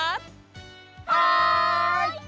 はい！